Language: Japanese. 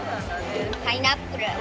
パイナップル。